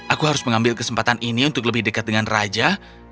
aku harus mengambil kesempatan ini untuk lebih dekat dengan raja